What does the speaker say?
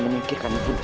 menyingkirkan ibu ndapul